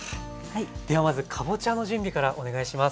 ではまずかぼちゃの準備からお願いします。